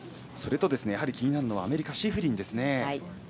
それと、気になるのはアメリカのシフリンですね。